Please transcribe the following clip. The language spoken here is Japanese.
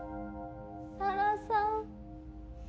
沙羅さん。